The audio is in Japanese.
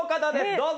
どうぞ！